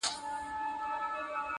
د سترگو تور مي د ايستو لائق دي